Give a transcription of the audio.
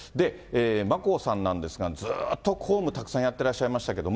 眞子さんなんですが、ずーっと公務大変やってらっしゃいましたけれども。